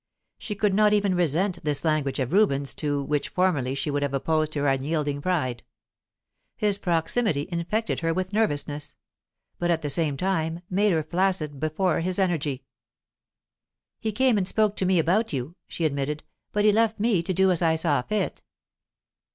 She could not even resent this language of Reuben's, to which formerly she would have opposed her unyielding pride; his proximity infected her with nervousness, but at the same time made her flaccid before his energy. "He came and spoke to me about you," she admitted. "But he left me to do as I saw fit."